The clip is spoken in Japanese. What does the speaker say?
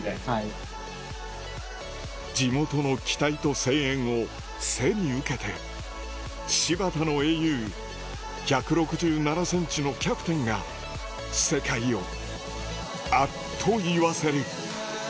地元の期待と声援を背に受けて新発田の英雄１６７ｃｍのキャプテンが世界をあっと言わせる